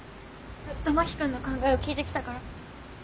ずっと真木君の考えを聞いてきたから。